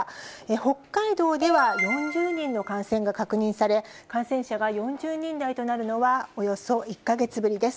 北海道では４０人の感染が確認され、感染者が４０人台となるのはおよそ１か月ぶりです。